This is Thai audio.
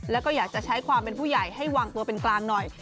แล้วก็อยากจะใช้ความเป็นผู้ใหญ่ให้วางตัวเป็นกลางหน่อย